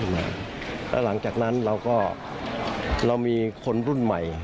และหลังจากนั้นเรามีคนรุ่นใหม่